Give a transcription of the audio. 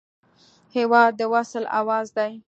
هېواد د وصل اواز دی.